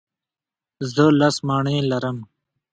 زه لس مڼې لرم.